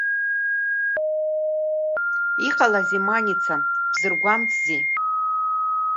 Иҟалазеи Маница, бзыргәамҵзеи?